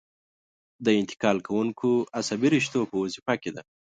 د انتقال کوونکو عصبي رشتو په وظیفه کې ده.